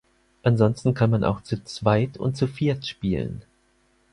Ansonsten kann man auch zu zweit und zu viert spielen.